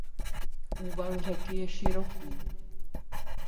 Úval řeky je široký.